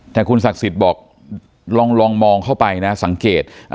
แต่คุณศักดิ์สิทธิ์บอกลองมองเข้าไปนะสังเกต